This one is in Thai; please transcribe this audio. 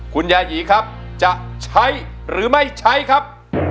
คุณยายีครับจะใช้หรือไม่ใช้ครับ